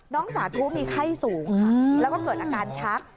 น้องสาธุมีไข้สูงแล้วก็เกิดอาการชัก